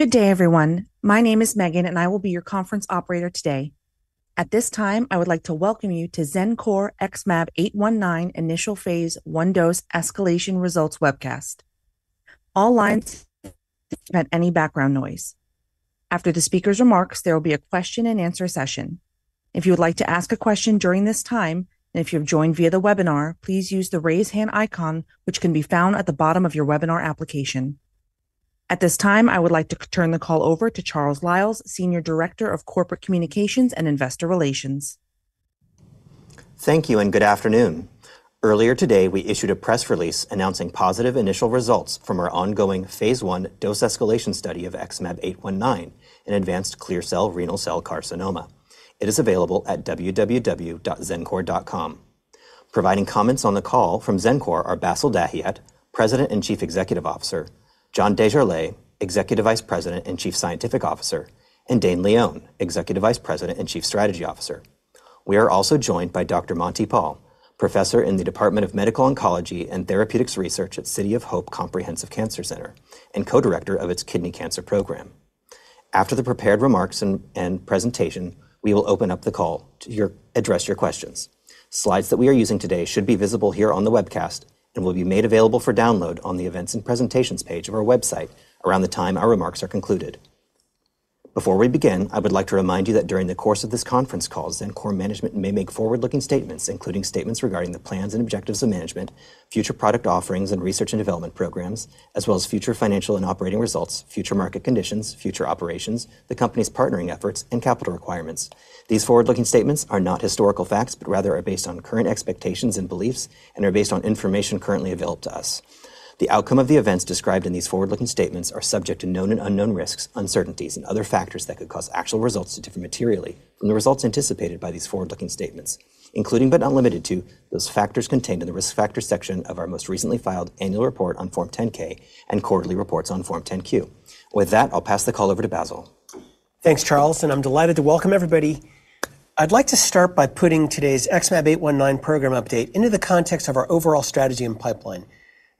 Good day, everyone. My name is Megan, and I will be your conference operator today. At this time, I would like to welcome you to Xencor XmAb819 initial phase I dose-escalation results webcast. All lines are closed to any background noise. After the speaker's remarks, there will be a question and answer session. If you would like to ask a question during this time, and if you have joined via the webinar, please use the raise hand icon, which can be found at the bottom of your webinar application. At this time, I would like to turn the call over to Charles Liles, Senior Director of Corporate Communications and Investor Relations. Thank you, and good afternoon. Earlier today, we issued a press release announcing positive initial results from our ongoing phase I dose-escalation study of XmAb819 in advanced clear cell renal cell carcinoma. It is available at www.xencor.com. Providing comments on the call from Xencor are Bassil Dahiyat, President and Chief Executive Officer; John Desjarlais, Executive Vice President and Chief Scientific Officer; and Dane Leone, Executive Vice President and Chief Strategy Officer. We are also joined by Dr. Monty Pal, Professor in the Department of Medical Oncology and Therapeutics Research at City of Hope Comprehensive Cancer Center and Co-Director of its Kidney Cancer Program. After the prepared remarks and presentation, we will open up the call to address your questions. Slides that we are using today should be visible here on the webcast and will be made available for download on the events and presentations page of our website around the time our remarks are concluded. Before we begin, I would like to remind you that during the course of this conference call, Xencor management may make forward-looking statements, including statements regarding the plans and objectives of management, future product offerings and research and development programs, as well as future financial and operating results, future market conditions, future operations, the company's partnering efforts, and capital requirements. These forward-looking statements are not historical facts, but rather are based on current expectations and beliefs and are based on information currently available to us. The outcome of the events described in these forward-looking statements are subject to known and unknown risks, uncertainties, and other factors that could cause actual results to differ materially from the results anticipated by these forward-looking statements, including but not limited to those factors contained in the risk factors section of our most recently filed annual report on Form 10-K and quarterly reports on Form 10-Q. With that, I'll pass the call over to Bassil. Thanks, Charles, and I'm delighted to welcome everybody. I'd like to start by putting today's XmAb819 program update into the context of our overall strategy and pipeline.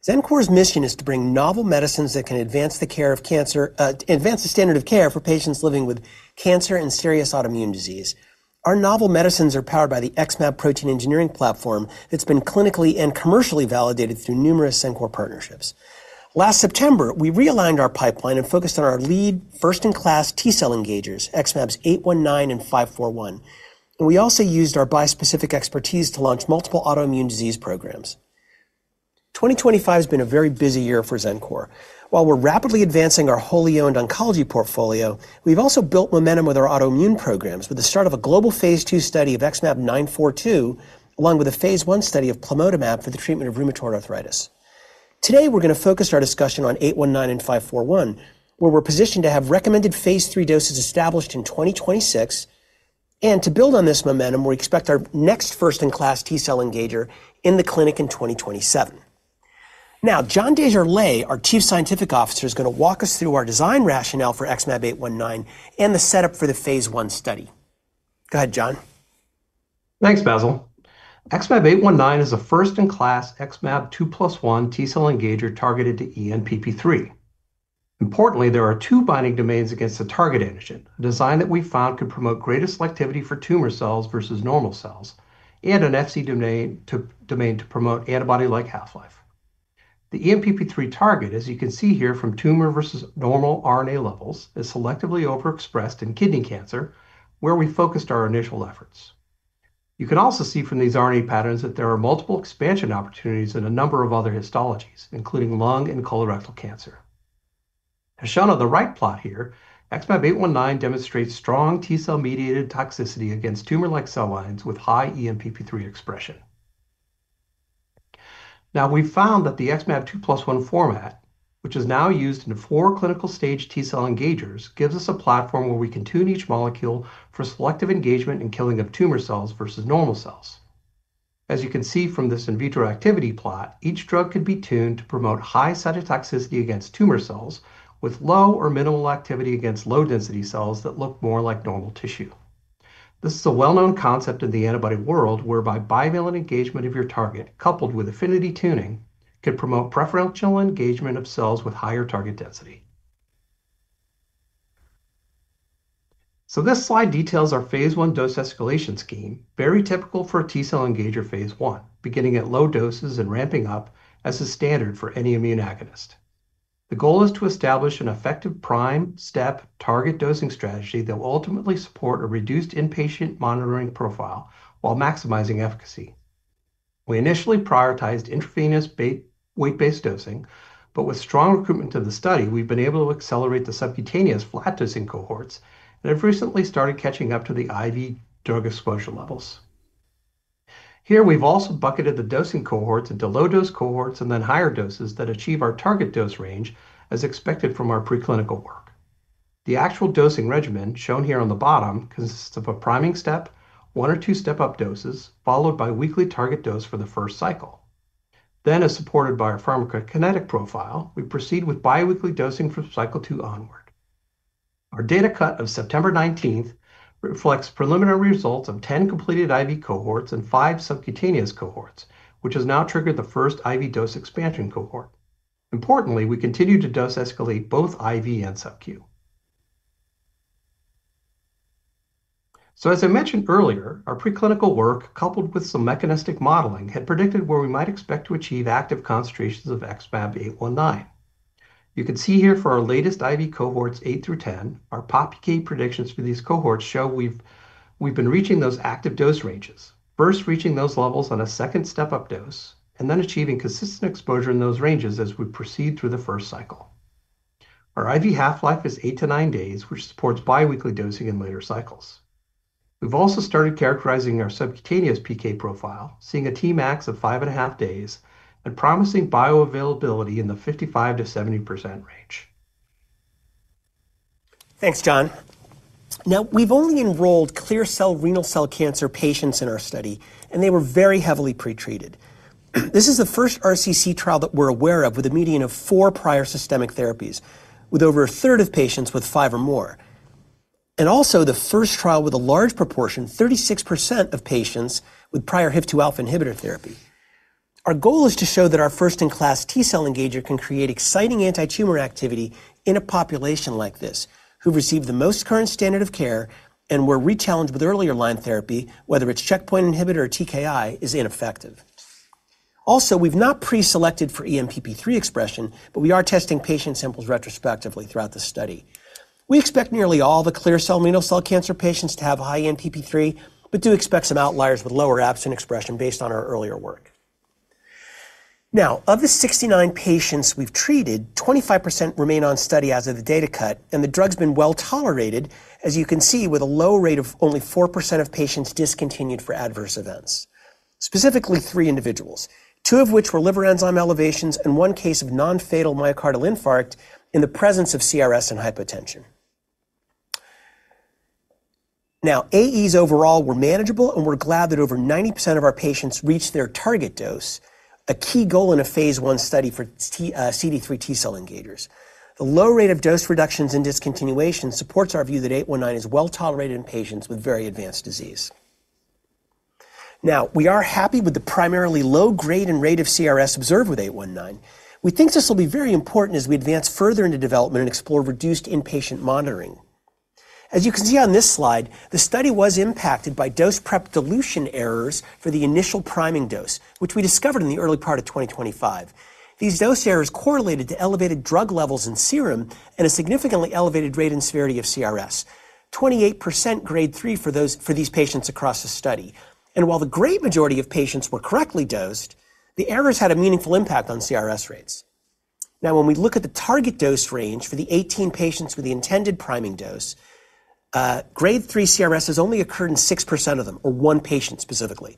Xencor's mission is to bring novel medicines that can advance the care of cancer, advance the standard of care for patients living with cancer and serious autoimmune disease. Our novel medicines are powered by the XmAb protein engineering platform that's been clinically and commercially validated through numerous Xencor partnerships. Last September, we realigned our pipeline and focused on our lead, first-in-class T-cell engagers, XmAb819 and XmAb541. We also used our bispecific expertise to launch multiple autoimmune disease programs. 2025 has been a very busy year for Xencor. While we're rapidly advancing our wholly owned oncology portfolio, we've also built momentum with our autoimmune programs with the start of a global phase II study of XmAb942, along with a phase I study of plamotamab for the treatment of rheumatoid arthritis. Today, we're going to focus our discussion on 819 and 541, where we're positioned to have recommended phase III doses established in 2026. To build on this momentum, we expect our next first-in-class T-cell engager in the clinic in 2027. Now, John Desjarlais, our Chief Scientific Officer, is going to walk us through our design rationale for XmAb819 and the setup for the phase I study. Go ahead, John. Thanks, Bassil. XmAb819 is a first-in-class XmAb 2+1 T-cell engager targeted to ENPP3. Importantly, there are two binding domains against the target antigen, a design that we found could promote greater selectivity for tumor cells versus normal cells, and an Fc domain to promote antibody-like half-life. The ENPP3 target, as you can see here from tumor versus normal RNA levels, is selectively overexpressed in kidney cancer, where we focused our initial efforts. You can also see from these RNA patterns that there are multiple expansion opportunities in a number of other histologies, including lung and colorectal cancer. As shown on the right plot here, XmAb819 demonstrates strong T-cell-mediated toxicity against tumor-like cell lines with high ENPP3 expression. Now, we've found that the XmAb 2+1 format, which is now used in four clinical-stage T-cell engagers, gives us a platform where we can tune each molecule for selective engagement and killing of tumor cells versus normal cells. As you can see from this in vitro activity plot, each drug could be tuned to promote high cytotoxicity against tumor cells with low or minimal activity against low-density cells that look more like normal tissue. This is a well-known concept in the antibody world whereby bivalent engagement of your target, coupled with affinity tuning, can promote preferential engagement of cells with higher target density. This slide details our phase I dose-escalation scheme, very typical for a T-cell engager phase I, beginning at low doses and ramping up as the standard for any immune agonist. The goal is to establish an effective prime, step, target dosing strategy that will ultimately support a reduced inpatient monitoring profile while maximizing efficacy. We initially prioritized intravenous weight-based dosing, but with strong recruitment of the study, we've been able to accelerate the subcutaneous flat dosing cohorts and have recently started catching up to the IV drug exposure levels. Here, we've also bucketed the dosing cohorts into low-dose cohorts and then higher doses that achieve our target dose range, as expected from our preclinical work. The actual dosing regimen, shown here on the bottom, consists of a priming step, one or two step-up doses, followed by weekly target dose for the first cycle. As supported by our pharmacokinetic profile, we proceed with biweekly dosing from cycle two onward. Our data cut of September 19th reflects preliminary results of 10 completed IV cohorts and five subcutaneous cohorts, which has now triggered the first IV dose expansion cohort. Importantly, we continue to dose-escalate both IV and subcu. As I mentioned earlier, our preclinical work, coupled with some mechanistic modeling, had predicted where we might expect to achieve active concentrations of XmAb819. You can see here for our latest IV cohorts 8 through 10, our PK predictions for these cohorts show we've been reaching those active dose ranges, first reaching those levels on a second step-up dose, and then achieving consistent exposure in those ranges as we proceed through the first cycle. Our IV half-life is eight to nine days, which supports biweekly dosing in later cycles. We've also started characterizing our subcutaneous PK profile, seeing a Tmax of five and a half days and promising bioavailability in the 55%-70% range. Thanks, John. Now, we've only enrolled clear cell renal cell cancer patients in our study, and they were very heavily pretreated. This is the first RCC trial that we're aware of with a median of four prior systemic therapies, with over a third of patients with five or more, and also the first trial with a large proportion, 36% of patients with prior HIF2α inhibitor therapy. Our goal is to show that our first-in-class T-cell engager can create exciting anti-tumor activity in a population like this, who've received the most current standard of care and were re-challenged with earlier line therapy, whether it's checkpoint inhibitor or TKI, is ineffective. Also, we've not preselected for ENPP3 expression, but we are testing patient samples retrospectively throughout the study. We expect nearly all the clear cell renal cell cancer patients to have high ENPP3, but do expect some outliers with lower absent expression based on our earlier work. Now, of the 69 patients we've treated, 25% remain on study as of the data cut, and the drug's been well tolerated, as you can see, with a low rate of only 4% of patients discontinued for adverse events, specifically three individuals, two of which were liver enzyme elevations and one case of non-fatal myocardial infarct in the presence of CRS and hypotension. Now, AEs overall were manageable, and we're glad that over 90% of our patients reached their target dose, a key goal in a phase I study for CD3 T-cell engagers. The low rate of dose reductions and discontinuation supports our view that 819 is well tolerated in patients with very advanced disease. Now, we are happy with the primarily low grade and rate of CRS observed with 819. We think this will be very important as we advance further into development and explore reduced inpatient monitoring. As you can see on this slide, the study was impacted by dose prep dilution errors for the initial priming dose, which we discovered in the early part of 2025. These dose errors correlated to elevated drug levels in serum and a significantly elevated rate and severity of CRS, 28% grade 3 for these patients across the study. While the great majority of patients were correctly dosed, the errors had a meaningful impact on CRS rates. Now, when we look at the target dose range for the 18 patients with the intended priming dose, grade 3 CRS has only occurred in 6% of them, or one patient specifically.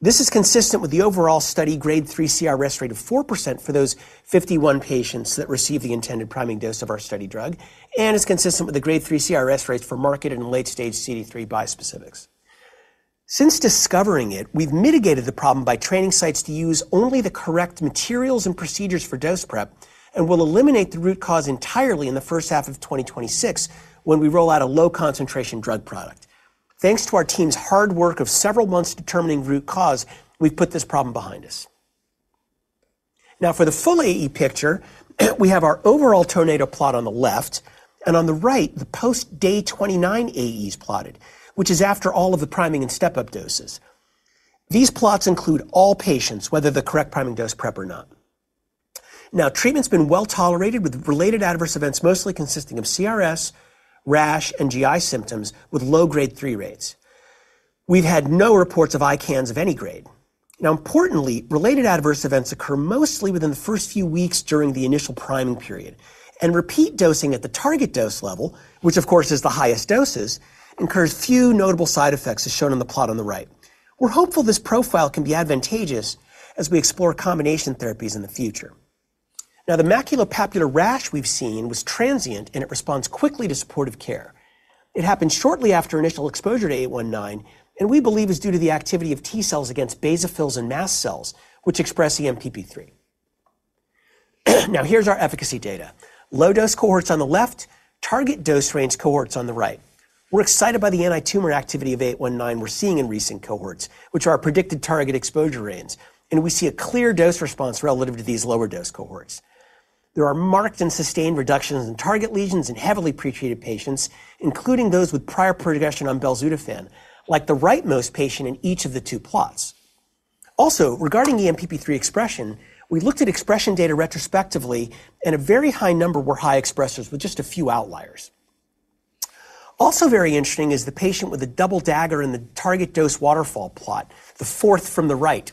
This is consistent with the overall study grade 3 CRS rate of 4% for those 51 patients that received the intended priming dose of our study drug, and is consistent with the grade 3 CRS rates for marketed and late-stage CD3 bispecifics. Since discovering it, we've mitigated the problem by training sites to use only the correct materials and procedures for dose prep, and we'll eliminate the root cause entirely in the first half of 2026 when we roll out a low concentration drug product. Thanks to our team's hard work of several months determining root cause, we've put this problem behind us. Now, for the full AE picture, we have our overall tornado plot on the left, and on the right, the post-day 29 AEs plotted, which is after all of the priming and step-up doses. These plots include all patients, whether the correct priming dose prep or not. Now, treatment's been well tolerated with related adverse events mostly consisting of CRS, rash, and GI symptoms with low grade 3 rates. We've had no reports of ICANS of any grade. Importantly, related adverse events occur mostly within the first few weeks during the initial priming period, and repeat dosing at the target dose level, which of course is the highest doses, incurs few notable side effects as shown on the plot on the right. We're hopeful this profile can be advantageous as we explore combination therapies in the future. The maculopapular rash we've seen was transient, and it responds quickly to supportive care. It happened shortly after initial exposure to 819, and we believe it's due to the activity of T-cells against basophils and mast cells, which express ENPP3. Now, here's our efficacy data. Low dose cohorts on the left, target dose range cohorts on the right. We're excited by the anti-tumor activity of 819 we're seeing in recent cohorts, which are our predicted target exposure range, and we see a clear dose response relative to these lower dose cohorts. There are marked and sustained reductions in target lesions in heavily pretreated patients, including those with prior progression on belzutifan, like the rightmost patient in each of the two plots. Also, regarding ENPP3 expression, we looked at expression data retrospectively, and a very high number were high expressors with just a few outliers. Also very interesting is the patient with the double dagger in the target dose waterfall plot, the fourth from the right.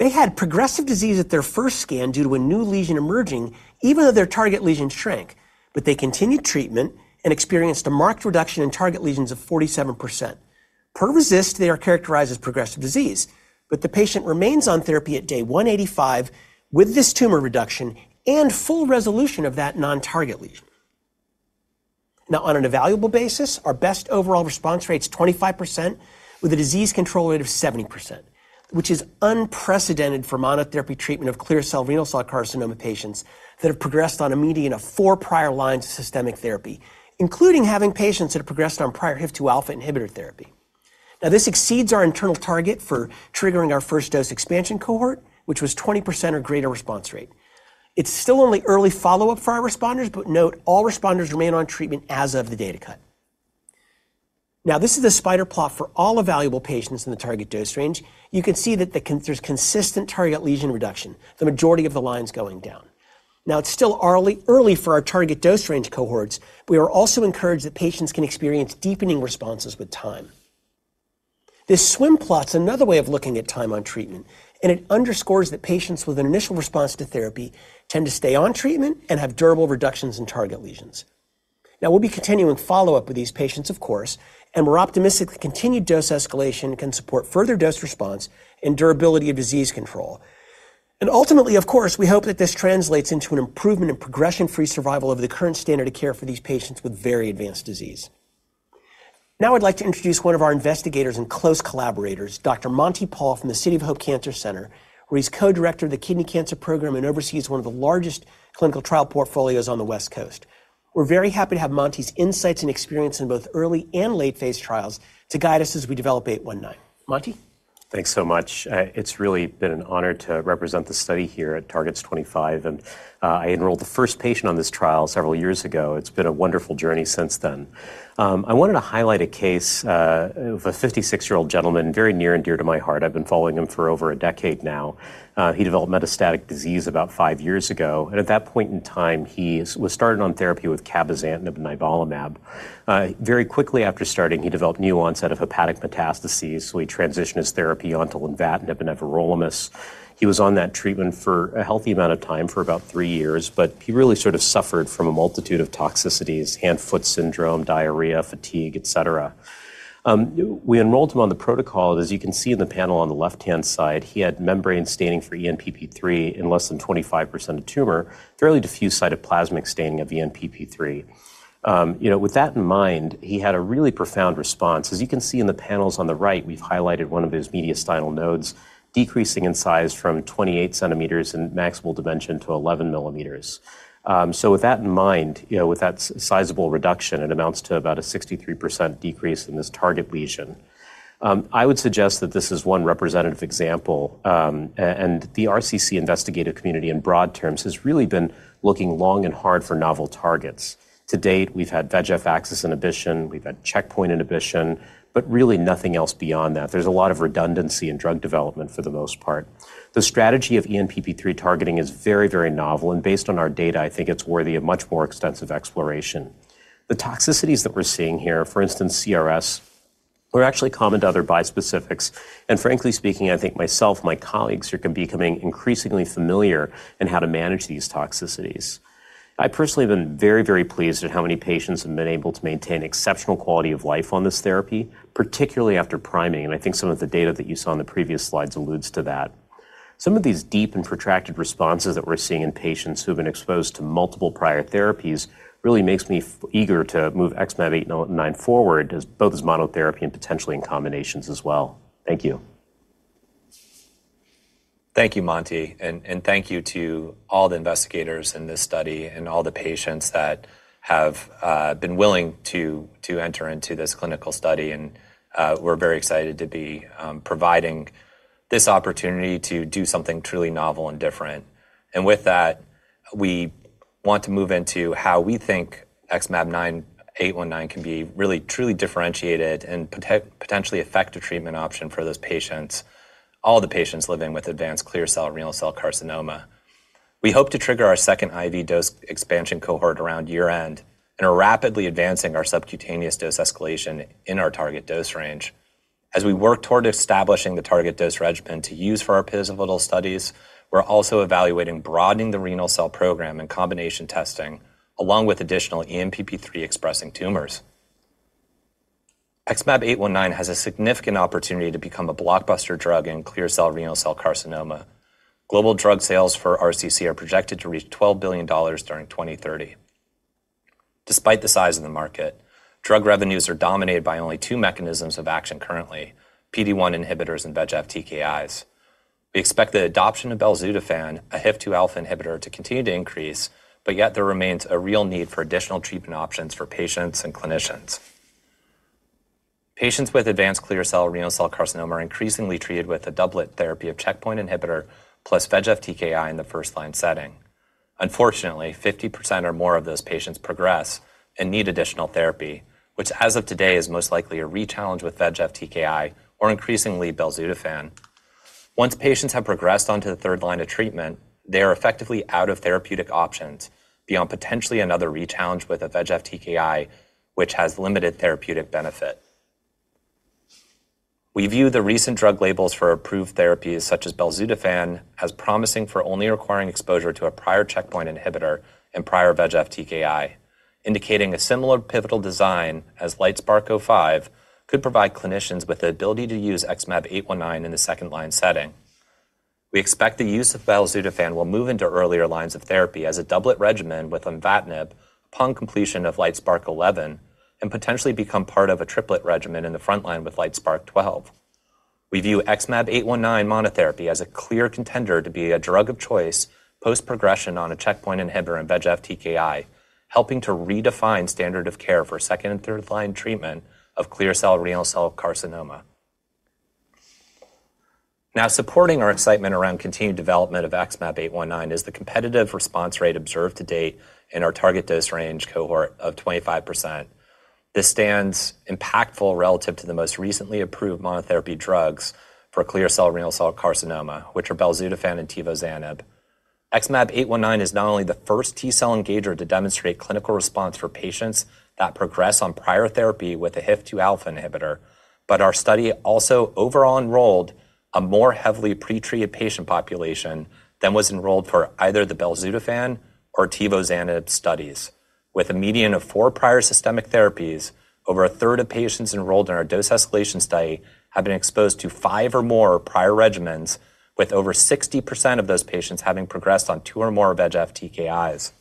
They had progressive disease at their first scan due to a new lesion emerging, even though their target lesion shrank, but they continued treatment and experienced a marked reduction in target lesions of 47%. Per RECIST, they are characterized as progressive disease, but the patient remains on therapy at day 185 with this tumor reduction and full resolution of that non-target lesion. Now, on an evaluable basis, our best overall response rate is 25% with a disease control rate of 70%, which is unprecedented for monotherapy treatment of clear cell renal cell carcinoma patients that have progressed on a median of four prior lines of systemic therapy, including having patients that have progressed on prior HIF2α inhibitor therapy. This exceeds our internal target for triggering our first dose expansion cohort, which was 20% or greater response rate. It's still only early follow-up for our responders, but note, all responders remain on treatment as of the data cut. This is a spider plot for all evaluable patients in the target dose range. You can see that there's consistent target lesion reduction, the majority of the lines going down. It's still early for our target dose range cohorts, but we are also encouraged that patients can experience deepening responses with time. This swim plot's another way of looking at time on treatment, and it underscores that patients with initial response to therapy tend to stay on treatment and have durable reductions in target lesions. We'll be continuing follow-up with these patients, of course, and we're optimistic that continued dose-escalation can support further dose response and durability of disease control. Ultimately, of course, we hope that this translates into an improvement in progression-free survival of the current standard of care for these patients with very advanced disease. Now, I'd like to introduce one of our investigators and close collaborators, Dr. Monty Pal, from the City of Hope Cancer Center, where he's Co-Director of the Kidney Cancer Program and oversees one of the largest clinical trial portfolios on the West Coast. We're very happy to have Monty's insights and experience in both early and late-phase trials to guide us as we develop 819. Monty? Thanks so much. It's really been an honor to represent the study here at Targets 25, and I enrolled the first patient on this trial several years ago. It's been a wonderful journey since then. I wanted to highlight a case of a 56-year-old gentleman, very near and dear to my heart. I've been following him for over a decade now. He developed metastatic disease about five years ago, and at that point in time, he was started on therapy with cabozantinib and nivolumab. Very quickly after starting, he developed new onset of hepatic metastases, so he transitioned his therapy onto lenvatinib and everolimus. He was on that treatment for a healthy amount of time, for about three years, but he really sort of suffered from a multitude of toxicities: hand-foot syndrome, diarrhea, fatigue, etc. We enrolled him on the protocol, and as you can see in the panel on the left-hand side, he had membrane staining for ENPP3 in less than 25% of tumor, fairly diffuse cytoplasmic staining of ENPP3. With that in mind, he had a really profound response. As you can see in the panels on the right, we've highlighted one of his mediastinal nodes, decreasing in size from 28 mm in maximal dimension to 11 mm. With that in mind, with that sizable reduction, it amounts to about a 63% decrease in this target lesion. I would suggest that this is one representative example, and the RCC investigative community in broad terms has really been looking long and hard for novel targets. To date, we've had VEGF axis inhibition, we've had checkpoint inhibition, but really nothing else beyond that. There's a lot of redundancy in drug development for the most part. The strategy of ENPP3 targeting is very, very novel, and based on our data, I think it's worthy of much more extensive exploration. The toxicities that we're seeing here, for instance, CRS, are actually common to other bispecifics, and frankly speaking, I think myself and my colleagues here are becoming increasingly familiar in how to manage these toxicities. I personally have been very, very pleased at how many patients have been able to maintain exceptional quality of life on this therapy, particularly after priming, and I think some of the data that you saw in the previous slides alludes to that. Some of these deep and protracted responses that we're seeing in patients who have been exposed to multiple prior therapies really make me eager to move XmAb819 forward, both as monotherapy and potentially in combinations as well. Thank you. Thank you, Monty, and thank you to all the investigators in this study and all the patients that have been willing to enter into this clinical study. We're very excited to be providing this opportunity to do something truly novel and different. With that, we want to move into how we think XmAb819 can be really truly differentiated and potentially effective treatment option for those patients, all the patients living with advanced clear cell renal cell carcinoma. We hope to trigger our second IV dose expansion cohort around year-end and are rapidly advancing our subcutaneous dose-escalation in our target dose range. As we work toward establishing the target dose regimen to use for our pivotal studies, we're also evaluating broadening the renal cell program and combination testing, along with additional ENPP3 expressing tumors. XmAb819 has a significant opportunity to become a blockbuster drug in clear cell renal cell carcinoma. Global drug sales for RCC are projected to reach $12 billion during 2030. Despite the size of the market, drug revenues are dominated by only two mechanisms of action currently: PD-1 inhibitors and VEGF-TKIs. We expect the adoption of belzutifan, a HIF2α inhibitor, to continue to increase, but yet there remains a real need for additional treatment options for patients and clinicians. Patients with advanced clear cell renal cell carcinoma are increasingly treated with a doublet therapy of checkpoint inhibitor plus VEGF-TKI in the first-line setting. Unfortunately, 50% or more of those patients progress and need additional therapy, which as of today is most likely a re-challenge with VEGF-TKI or increasingly belzutifan. Once patients have progressed onto the third line of treatment, they are effectively out of therapeutic options beyond potentially another re-challenge with a VEGF-TKI, which has limited therapeutic benefit. We view the recent drug labels for approved therapies such as belzutifan as promising for only requiring exposure to a prior checkpoint inhibitor and prior VEGF-TKI, indicating a similar pivotal design as LITESPARK-05 could provide clinicians with the ability to use XmAb819 in the second-line setting. We expect the use of belzutifan will move into earlier lines of therapy as a doublet regimen with lenvatinib upon completion of LITESPARK-11 and potentially become part of a triplet regimen in the front line with LITESPARK-12. We view XmAb819 monotherapy as a clear contender to be a drug of choice post-progression on a checkpoint inhibitor and VEGF-TKI, helping to redefine standard of care for second and third-line treatment of clear cell renal cell carcinoma. Now, supporting our excitement around continued development of XmAb819 is the competitive response rate observed to date in our target dose range cohort of 25%. This stands impactful relative to the most recently approved monotherapy drugs for clear cell renal cell carcinoma, which are belzutifan and tivozanib. XmAb819 is not only the first T-cell engager to demonstrate clinical response for patients that progress on prior therapy with a HIF2α inhibitor, but our study also overall enrolled a more heavily pretreated patient population than was enrolled for either the belzutifan or tivozanib studies. With a median of four prior systemic therapies, over a third of patients enrolled in our dose-escalation study have been exposed to five or more prior regimens, with over 60% of those patients having progressed on two or more VEGF-TKIs.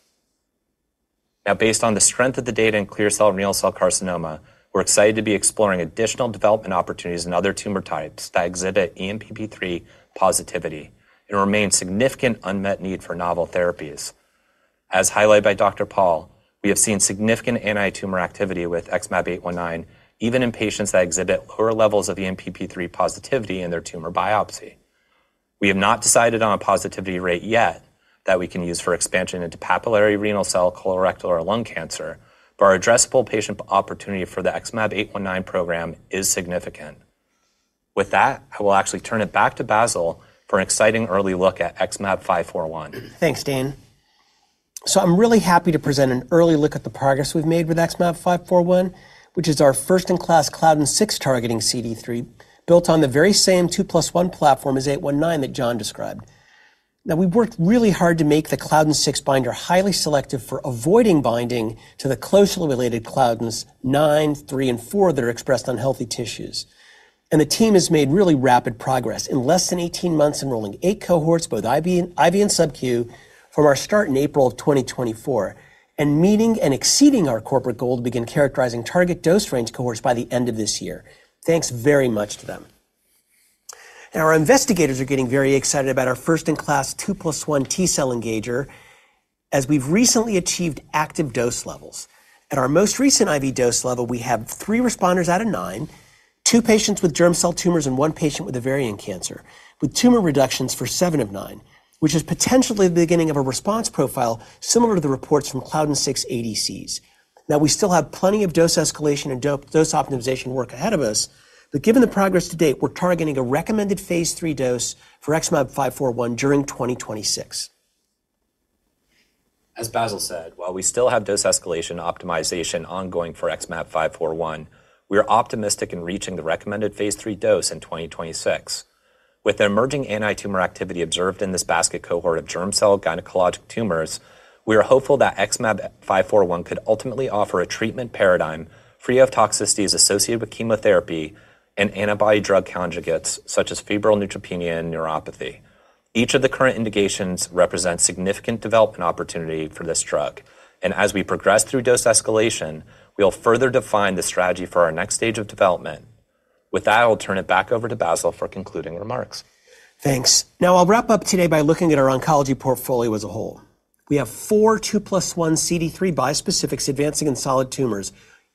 Now, based on the strength of the data in clear cell renal cell carcinoma, we're excited to be exploring additional development opportunities in other tumor types that exhibit ENPP3 positivity and remain significant unmet need for novel therapies. As highlighted by Dr. Pal, we have seen significant anti-tumor activity with XmAb819, even in patients that exhibit lower levels of ENPP3 positivity in their tumor biopsy. We have not decided on a positivity rate yet that we can use for expansion into papillary renal cell, colorectal, or lung cancer, but our addressable patient opportunity for the XmAb819 program is significant. With that, I will actually turn it back to Bassil for an exciting early look at XmAb541. Thanks, Dane. I'm really happy to present an early look at the progress we've made with XmAb541, which is our first-in-class Claudin-6 targeting CD3, built on the very same 2+1 platform as 819 that John described. We've worked really hard to make the Claudin-6 binder highly selective for avoiding binding to the closely related Claudin-9, Claudin-3, and Claudin-4 that are expressed on healthy tissues. The team has made really rapid progress in less than 18 months enrolling eight cohorts, both IV and subcu, from our start in April 2024 and meeting and exceeding our corporate goal to begin characterizing target dose range cohorts by the end of this year. Thanks very much to them. Our investigators are getting very excited about our first-in-class 2+1 T-cell engager as we've recently achieved active dose levels. At our most recent IV dose level, we have three responders out of nine, two patients with germ cell tumors, and one patient with ovarian cancer, with tumor reductions for seven of nine, which is potentially the beginning of a response profile similar to the reports from Claudin-6 ADCs. We still have plenty of dose-escalation and dose optimization work ahead of us, but given the progress to date, we're targeting a recommended phase III dose for XmAb541 during 2026. As Bassil said, while we still have dose-escalation optimization ongoing for XmAb541, we are optimistic in reaching the recommended phase III dose in 2026. With the emerging anti-tumor activity observed in this basket cohort of germ cell gynecologic tumors, we are hopeful that XmAb541 could ultimately offer a treatment paradigm free of toxicities associated with chemotherapy and antibody drug conjugates such as febrile neutropenia and neuropathy. Each of the current indications represents significant development opportunity for this drug, and as we progress through dose-escalation, we'll further define the strategy for our next stage of development. With that, I'll turn it back over to Bassil for concluding remarks. Thanks. Now, I'll wrap up today by looking at our oncology portfolio as a whole. We have four 2+1 CD3 bispecifics advancing in solid tumors,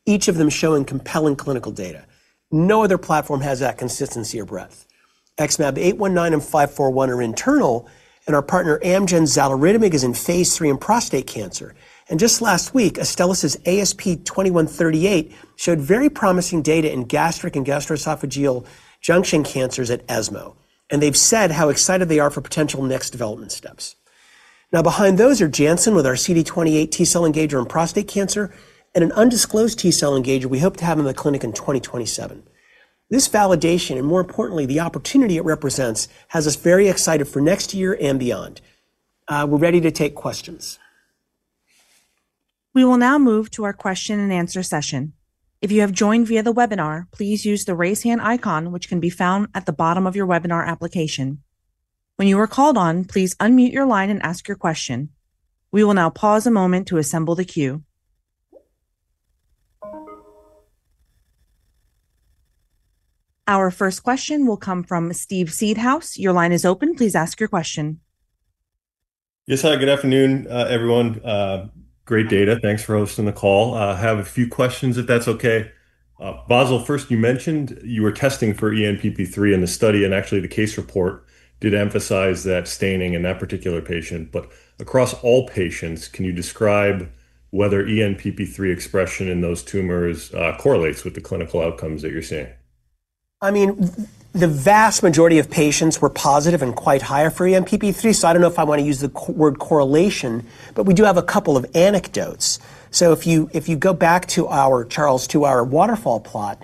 each of them showing compelling clinical data. No other platform has that consistency or breadth. XmAb819 and XmAb541 are internal, and our partner Amgen's xaluritamig is in phase III in prostate cancer. Just last week, Astellas' ASP2138 showed very promising data in gastric and gastroesophageal junction cancers at ESMO, and they've said how excited they are for potential next development steps. Behind those are Janssen with our CD28 T-cell engager in prostate cancer and an undisclosed T-cell engager we hope to have in the clinic in 2027. This validation, and more importantly, the opportunity it represents, has us very excited for next year and beyond. We're ready to take questions. We will now move to our question and answer session. If you have joined via the webinar, please use the raise hand icon, which can be found at the bottom of your webinar application. When you are called on, please unmute your line and ask your question. We will now pause a moment to assemble the queue. Our first question will come from Steve Seedhouse. Your line is open. Please ask your question. Yes, hi. Good afternoon, everyone. Great data. Thanks for hosting the call. I have a few questions, if that's okay. Bassil, first, you mentioned you were testing for ENPP3 in the study, and actually the case report did emphasize that staining in that particular patient, but across all patients, can you describe whether ENPP3 expression in those tumors correlates with the clinical outcomes that you're seeing? I mean, the vast majority of patients were positive and quite higher for ENPP3, so I don't know if I want to use the word correlation, but we do have a couple of anecdotes. If you go back to our Charles two-hour waterfall plot,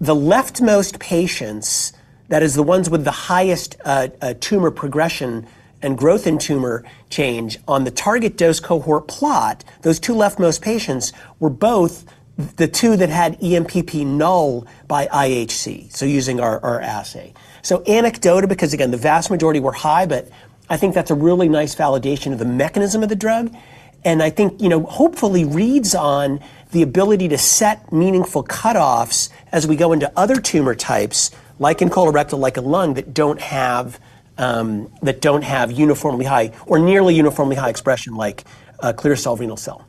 the leftmost patients, that is the ones with the highest tumor progression and growth in tumor change on the target dose cohort plot, those two leftmost patients were both the two that had ENPP3 null by IHC, using our assay. Anecdote because again, the vast majority were high, but I think that's a really nice validation of the mechanism of the drug, and I think, you know, hopefully reads on the ability to set meaningful cutoffs as we go into other tumor types, like in colorectal, like in lung, that don't have uniformly high or nearly uniformly high expression like clear cell renal cell.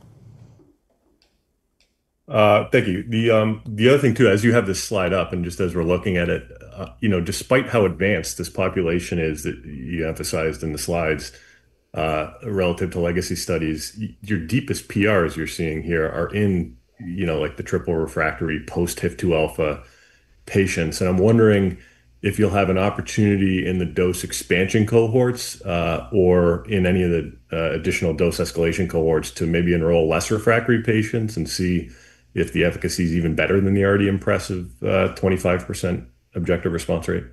Thank you. The other thing too, as you have this slide up and just as we're looking at it, despite how advanced this population is that you emphasized in the slides relative to legacy studies, your deepest PRs you're seeing here are in, like the triple refractory post-HIF2α patients. I'm wondering if you'll have an opportunity in the dose expansion cohorts or in any of the additional dose-escalation cohorts to maybe enroll less refractory patients and see if the efficacy is even better than the already impressive 25% objective response rate.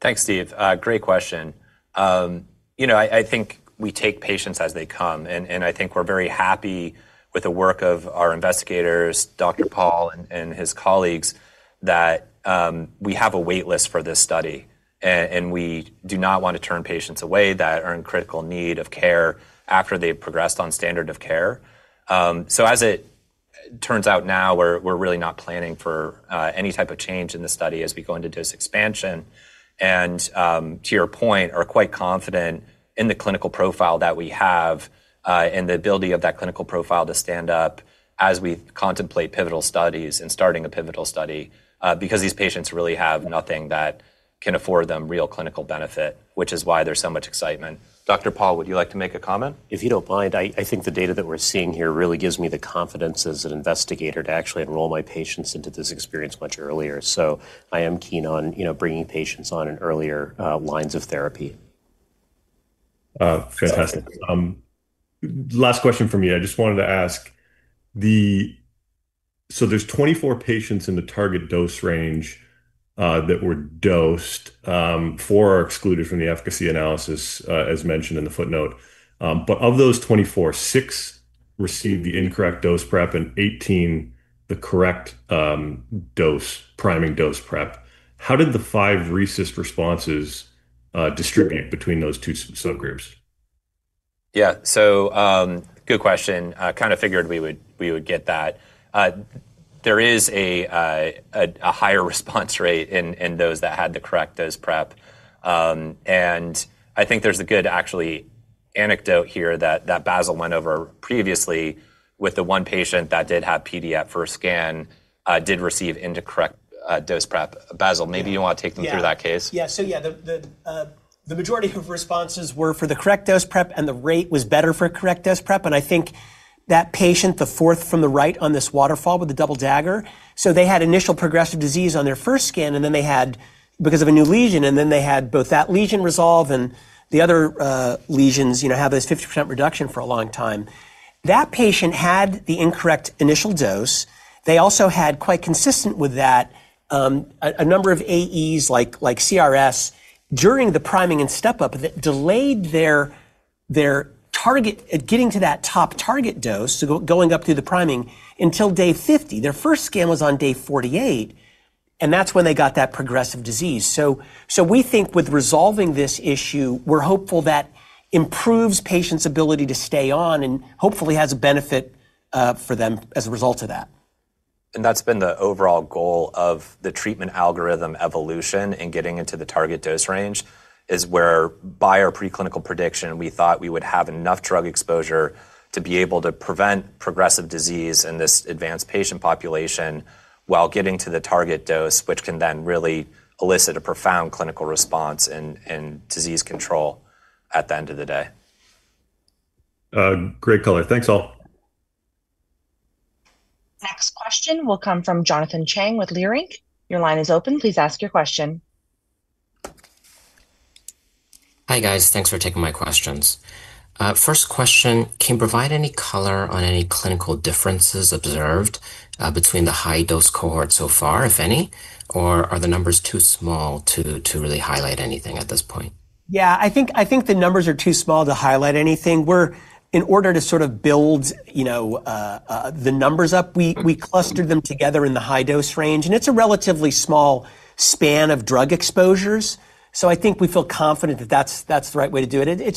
Thanks, Steve. Great question. I think we take patients as they come, and I think we're very happy with the work of our investigators, Dr. Pal and his colleagues, that we have a waitlist for this study, and we do not want to turn patients away that are in critical need of care after they've progressed on standard of care. As it turns out now, we're really not planning for any type of change in the study as we go into dose expansion, and to your point, we're quite confident in the clinical profile that we have and the ability of that clinical profile to stand up as we contemplate pivotal studies and starting a pivotal study because these patients really have nothing that can afford them real clinical benefit, which is why there's so much excitement. Dr. Pal, would you like to make a comment? If you don't mind, I think the data that we're seeing here really gives me the confidence as an investigator to actually enroll my patients into this experience much earlier. I am keen on, you know, bringing patients on in earlier lines of therapy. Fantastic. Last question from you. I just wanted to ask, there's 24 patients in the target dose range that were dosed for or excluded from the efficacy analysis, as mentioned in the footnote. Of those 24, six received the incorrect dose prep and 18 the correct dose, priming dose prep. How did the five resist responses distribute between those two subgroups? Yeah, good question. Kind of figured we would get that. There is a higher response rate in those that had the correct dose prep, and I think there's a good anecdote here that Bassil went over previously with the one patient that did have PD for a scan, did receive incorrect dose prep. Bassil, maybe you want to take them through that case? The majority of responses were for the correct dose prep, and the rate was better for a correct dose prep. I think that patient, the fourth from the right on this waterfall with the double dagger, had initial progressive disease on their first scan because of a new lesion, and then they had both that lesion resolve and the other lesions have this 50% reduction for a long time. That patient had the incorrect initial dose. They also had, quite consistent with that, a number of AEs like CRS during the priming and step-up that delayed their target, getting to that top target dose, going up through the priming until day 50. Their first scan was on day 48, and that's when they got that progressive disease. We think with resolving this issue, we're hopeful that improves patients' ability to stay on and hopefully has a benefit for them as a result of that. That’s been the overall goal of the treatment algorithm evolution in getting into the target dose range, where by our preclinical prediction, we thought we would have enough drug exposure to be able to prevent progressive disease in this advanced patient population while getting to the target dose, which can then really elicit a profound clinical response and disease control at the end of the day. Great color. Thanks, all. Next question will come from Jonathan Chang with Leerink. Your line is open. Please ask your question. Hi guys, thanks for taking my questions. First question, can you provide any color on any clinical differences observed between the high dose cohort so far, if any, or are the numbers too small to really highlight anything at this point? I think the numbers are too small to highlight anything. In order to build the numbers up, we clustered them together in the high dose range, and it's a relatively small span of drug exposures. I think we feel confident that that's the right way to do it. It's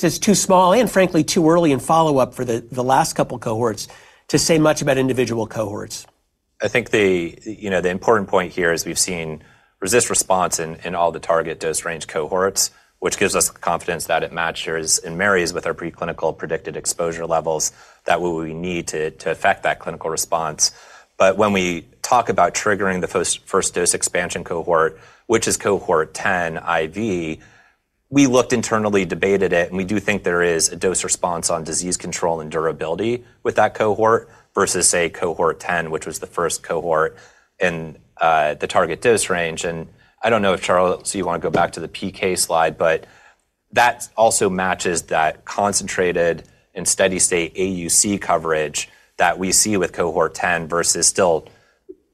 just too small and frankly too early in follow-up for the last couple cohorts to say much about individual cohorts. I think the important point here is we've seen response in all the target dose range cohorts, which gives us the confidence that it matches and marries with our preclinical predicted exposure levels that we need to affect that clinical response. When we talk about triggering the first dose expansion cohort, which is cohort 10 IV, we looked internally, debated it, and we do think there is a dose response on disease control and durability with that cohort versus, say, cohort 10, which was the first cohort in the target dose range. I don't know if Charles, you want to go back to the PK slide, but that also matches that concentrated and steady state AUC coverage that we see with cohort 10 versus still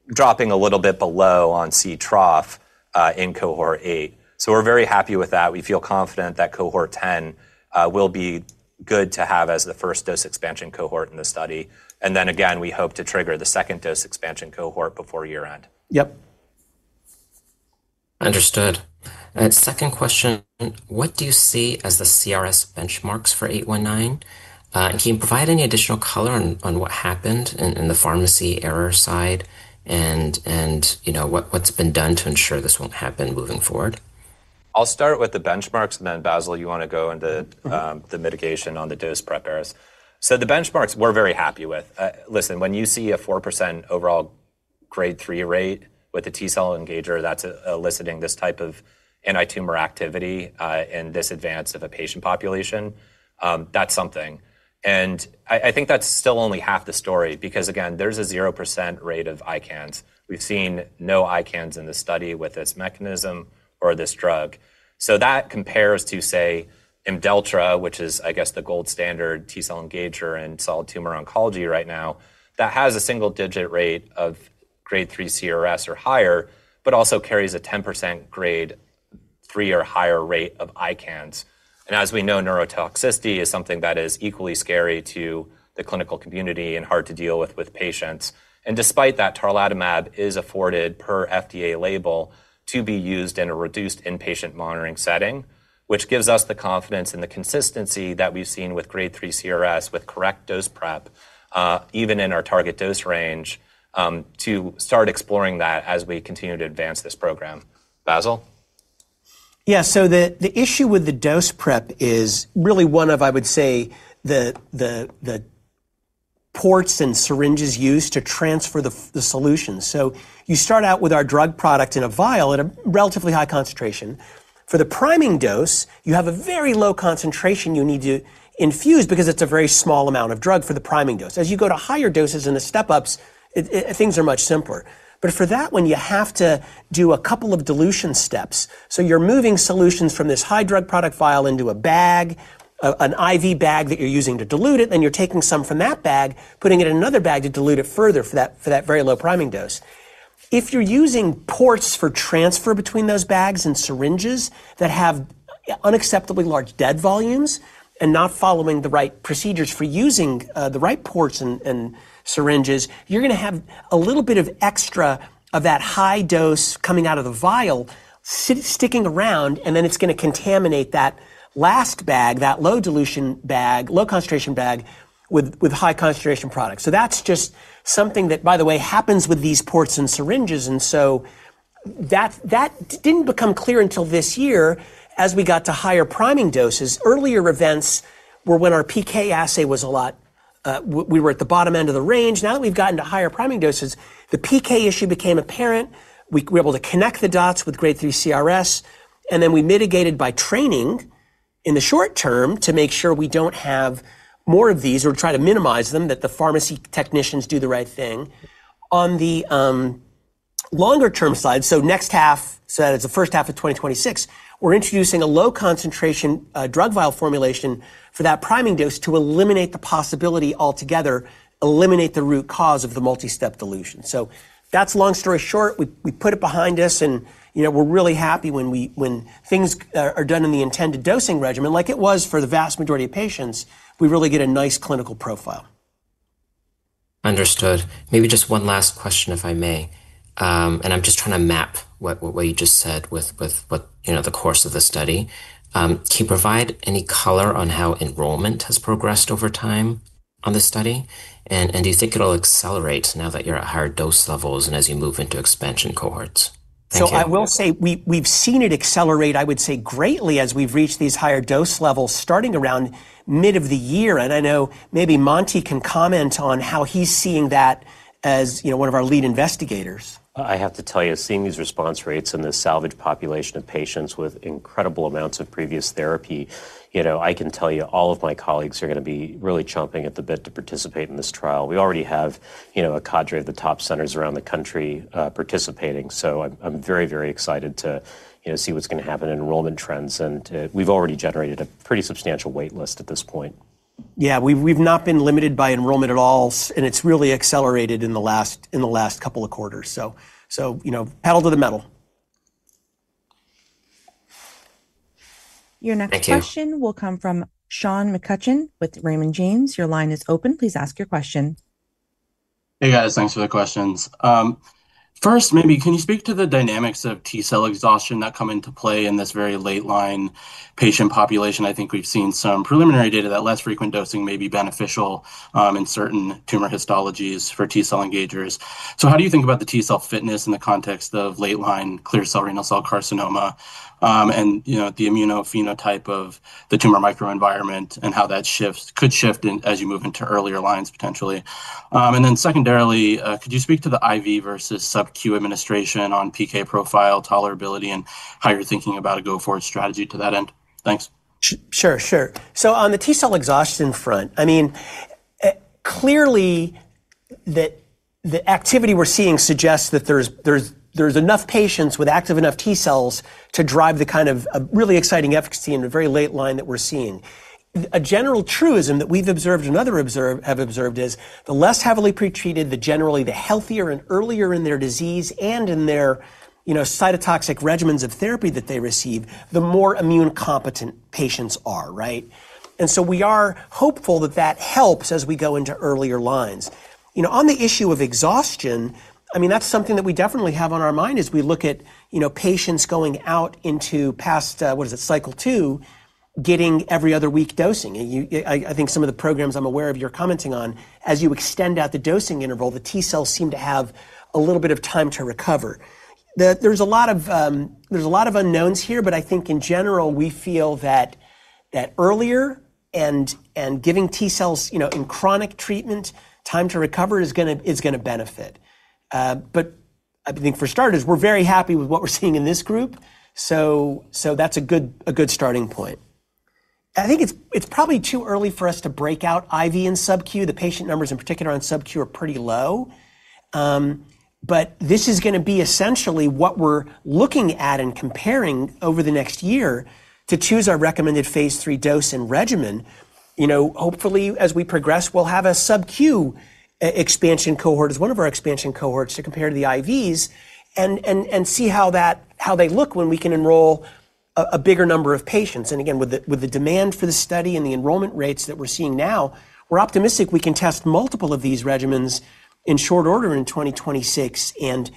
dropping a little bit below on C trough in cohort 8. We're very happy with that. We feel confident that cohort 10 will be good to have as the first dose expansion cohort in the study. We hope to trigger the second dose expansion cohort before year-end. Yep. Understood. Second question, what do you see as the CRS benchmarks for 819? Can you provide any additional color on what happened in the pharmacy error side and what's been done to ensure this won't happen moving forward? I'll start with the benchmarks, and then Bassil, you want to go into the mitigation on the dose prep errors. The benchmarks we're very happy with. Listen, when you see a 4% overall grade 3 rate with a T-cell engager that's eliciting this type of anti-tumor activity in this advance of a patient population, that's something. I think that's still only half the story because again, there's a 0% rate of ICANS. We've seen no ICANS in this study with this mechanism or this drug. That compares to, say, IMDELLTRA, which is, I guess, the gold standard T-cell engager in solid tumor oncology right now, that has a single-digit rate of grade 3 CRS or higher, but also carries a 10% grade 3 or higher rate of ICANS. As we know, neurotoxicity is something that is equally scary to the clinical community and hard to deal with with patients. Despite that, tarlatamab is afforded per FDA label to be used in a reduced inpatient monitoring setting, which gives us the confidence and the consistency that we've seen with grade 3 CRS with correct dose prep, even in our target dose range, to start exploring that as we continue to advance this program. Bassil? Yeah, the issue with the dose prep is really one of the ports and syringes used to transfer the solution. You start out with our drug product in a vial at a relatively high concentration. For the priming dose, you have a very low concentration you need to infuse because it's a very small amount of drug for the priming dose. As you go to higher doses in the step-ups, things are much simpler. For that one, you have to do a couple of dilution steps. You're moving solutions from this high drug product vial into a bag, an IV bag that you're using to dilute it, then you're taking some from that bag, putting it in another bag to dilute it further for that very low priming dose. If you're using ports for transfer between those bags and syringes that have unacceptably large dead volumes and not following the right procedures for using the right ports and syringes, you're going to have a little bit of extra of that high dose coming out of the vial sticking around, and then it's going to contaminate that last bag, that low dilution bag, low concentration bag with high concentration products. That's just something that, by the way, happens with these ports and syringes. That didn't become clear until this year as we got to higher priming doses. Earlier events were when our PK assay was a lot, we were at the bottom end of the range. Now that we've gotten to higher priming doses, the PK issue became apparent. We were able to connect the dots with grade 3 CRS, and then we mitigated by training in the short term to make sure we don't have more of these or try to minimize them, that the pharmacy technicians do the right thing. On the longer term side, next half, that is the first half of 2026, we're introducing a low concentration drug vial formulation for that priming dose to eliminate the possibility altogether, eliminate the root cause of the multi-step dilution. Long story short, we put it behind us, and we're really happy when things are done in the intended dosing regimen, like it was for the vast majority of patients. We really get a nice clinical profile. Understood. Maybe just one last question, if I may, and I'm just trying to map what you just said with the course of the study. Can you provide any color on how enrollment has progressed over time on the study, and do you think it'll accelerate now that you're at higher dose levels and as you move into expansion cohorts? We have seen it accelerate, I would say, greatly as we've reached these higher dose levels starting around mid of the year, and I know maybe Monty can comment on how he's seeing that as, you know, one of our lead investigators. I have to tell you, seeing these response rates and this salvaged population of patients with incredible amounts of previous therapy, I can tell you all of my colleagues are going to be really chomping at the bit to participate in this trial. We already have a cadre of the top centers around the country participating, so I'm very, very excited to see what's going to happen in enrollment trends, and we've already generated a pretty substantial waitlist at this point. Yeah, we've not been limited by enrollment at all, and it's really accelerated in the last couple of quarters, pedal to the metal. Your next question will come from Sean McCutcheon with Raymond James. Your line is open. Please ask your question. Hey guys, thanks for the questions. First, maybe can you speak to the dynamics of T-cell exhaustion that come into play in this very late line patient population? I think we've seen some preliminary data that less frequent dosing may be beneficial in certain tumor histologies for T-cell engagers. How do you think about the T-cell fitness in the context of late line clear cell renal cell carcinoma and, you know, the immunophenotype of the tumor microenvironment and how that shifts, could shift as you move into earlier lines potentially? Secondarily, could you speak to the IV versus subcu administration on PK profile tolerability and how you're thinking about a go forward strategy to that end? Thanks. Sure. So on the T-cell exhaustion front, clearly the activity we're seeing suggests that there's enough patients with active enough T-cells to drive the kind of really exciting efficacy in the very late line that we're seeing. A general truism that we've observed and others have observed is the less heavily pretreated, generally the healthier and earlier in their disease and in their cytotoxic regimens of therapy that they receive, the more immune competent patients are, right? We are hopeful that that helps as we go into earlier lines. On the issue of exhaustion, that's something that we definitely have on our mind as we look at patients going out into past, what is it, cycle two, getting every other week dosing. I think some of the programs I'm aware of you're commenting on, as you extend out the dosing interval, the T-cells seem to have a little bit of time to recover. There's a lot of unknowns here, but I think in general, we feel that earlier and giving T-cells in chronic treatment, time to recover is going to benefit. For starters, we're very happy with what we're seeing in this group, so that's a good starting point. It's probably too early for us to break out IV and subcu. The patient numbers in particular on subcu are pretty low, but this is going to be essentially what we're looking at and comparing over the next year to choose our recommended phase III dose and regimen. Hopefully as we progress, we'll have a subcu expansion cohort as one of our expansion cohorts to compare to the IVs and see how they look when we can enroll a bigger number of patients. Again, with the demand for the study and the enrollment rates that we're seeing now, we're optimistic we can test multiple of these regimens in short order in 2026 and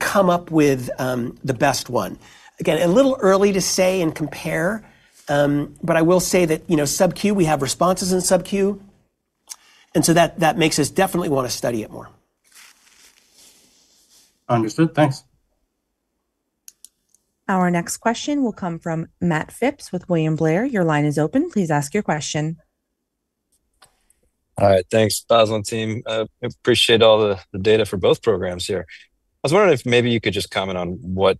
come up with the best one. It's a little early to say and compare, but I will say that subcu, we have responses in subcu, and that makes us definitely want to study it more. Understood. Thanks. Our next question will come from Matt Phipps with William Blair. Your line is open. Please ask your question. All right, thanks, Bassil and team. I appreciate all the data for both programs here. I was wondering if maybe you could just comment on what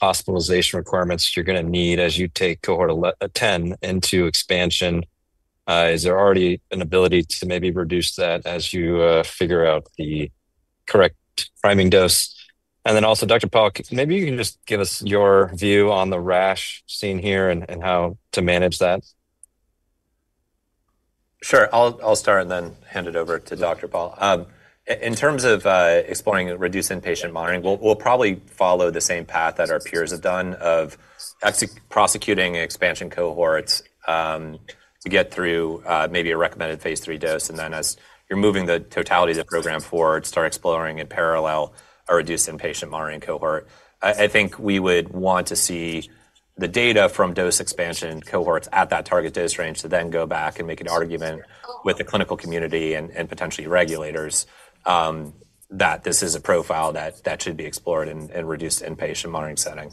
hospitalization requirements you're going to need as you take cohort 10 into expansion. Is there already an ability to maybe reduce that as you figure out the correct priming dose? Also, Dr. Pal, maybe you can just give us your view on the rash seen here and how to manage that. Sure, I'll start and then hand it over to Dr. Pal. In terms of exploring reduced inpatient monitoring, we'll probably follow the same path that our peers have done of prosecuting expansion cohorts to get through maybe a recommended phase III dose, and then as you're moving the totality of the program forward, start exploring in parallel a reduced inpatient monitoring cohort. I think we would want to see the data from dose expansion cohorts at that target dose range to then go back and make an argument with the clinical community and potentially regulators that this is a profile that should be explored in a reduced inpatient monitoring setting.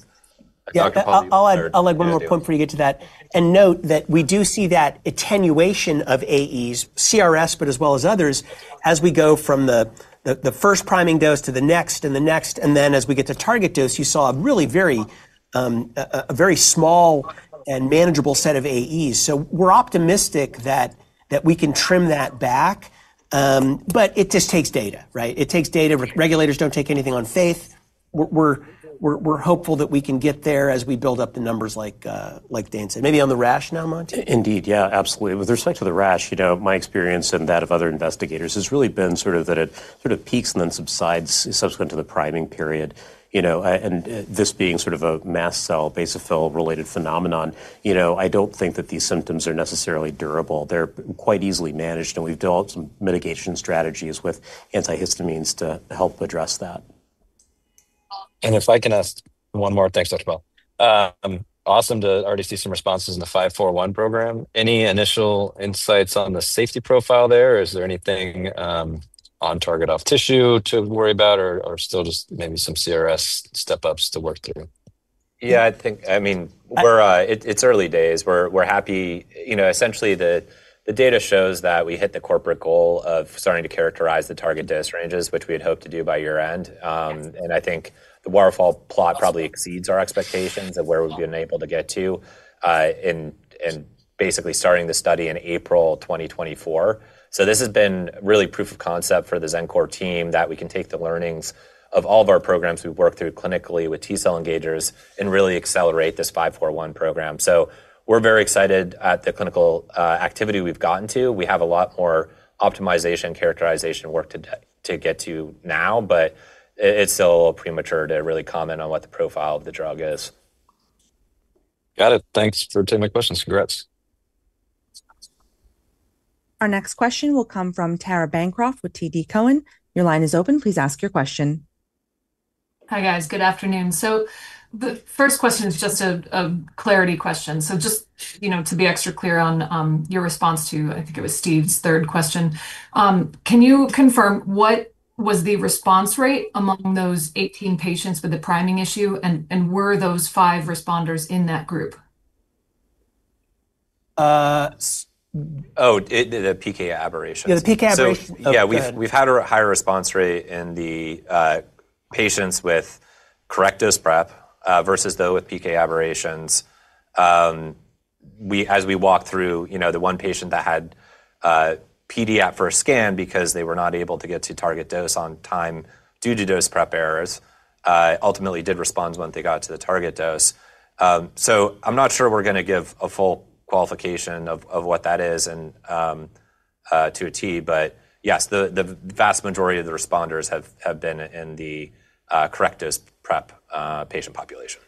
I'll add one more point before you get to that, and note that we do see that attenuation of AEs, CRS, as well as others, as we go from the first priming dose to the next and the next, and then as we get to target dose, you saw a really very small and manageable set of AEs. We're optimistic that we can trim that back, but it just takes data, right? It takes data. Regulators don't take anything on faith. We're hopeful that we can get there as we build up the numbers like Dane said. Maybe on the rash now, Monty? Indeed, yeah, absolutely. With respect to the rash, my experience and that of other investigators has really been that it peaks and then subsides subsequent to the priming period. This being a mast cell basophil-related phenomenon, I don't think that these symptoms are necessarily durable. They're quite easily managed, and we've developed some mitigation strategies with antihistamines to help address that. If I can ask one more, thanks, Dr. Pal. Awesome to already see some responses in the 541 program. Any initial insights on the safety profile there? Is there anything on target off tissue to worry about, or still just maybe some CRS step-ups to work through? Yeah, I think it's early days. We're happy, you know, essentially the data shows that we hit the corporate goal of starting to characterize the target dose ranges, which we had hoped to do by year-end, and I think the waterfall plot probably exceeds our expectations of where we've been able to get to in basically starting the study in April 2024. This has been really proof of concept for the Xencor team that we can take the learnings of all of our programs we've worked through clinically with T-cell engagers and really accelerate this 541 program. We're very excited at the clinical activity we've gotten to. We have a lot more optimization and characterization work to get to now, but it's still a little premature to really comment on what the profile of the drug is. Got it. Thanks for taking my questions. Congrats. Our next question will come from Tara Bancroft with TD Cowen. Your line is open. Please ask your question. Hi guys, good afternoon. The first question is just a clarity question. Just to be extra clear on your response to, I think it was Steve's third question, can you confirm what was the response rate among those 18 patients with the priming issue, and were those five responders in that group? Oh, the PK aberrations. Yeah, the PK aberrations. Yeah, we've had a higher response rate in the patients with correct dose prep versus those with PK aberrations. As we walk through, the one patient that had PD for a scan because they were not able to get to target dose on time due to dose prep errors ultimately did respond once they got to the target dose. I'm not sure we're going to give a full qualification of what that is to a T, but yes, the vast majority of the responders have been in the correct dose prep patient population.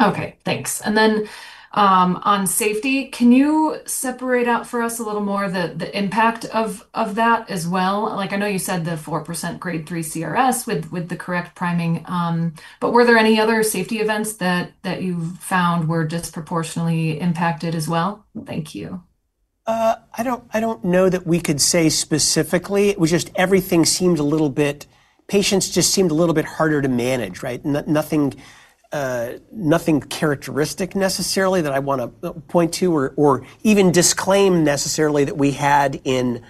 Okay, thanks. On safety, can you separate out for us a little more the impact of that as well? I know you said the 4% grade 3 CRS with the correct priming, but were there any other safety events that you found were disproportionately impacted as well? Thank you. I don't know that we could say specifically. It was just everything seemed a little bit, patients just seemed a little bit harder to manage, right? Nothing characteristic necessarily that I want to point to or even disclaim necessarily that we had in